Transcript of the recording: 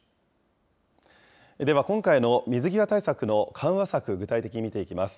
では今回の水際対策の緩和策、具体的に見ていきます。